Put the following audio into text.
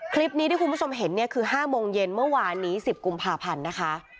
คลิปนี้ที่คุณผู้ชมเห็นเนี่ยคือ๕โมงเย็นเมื่อวานนี้๑๐กุมภาพันธ์นะคะ